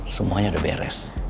semuanya udah beres